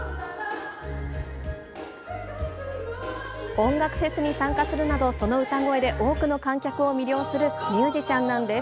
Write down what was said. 音楽フェスに参加するなど、その歌声で多くの観客を魅了するミュージシャンなんです。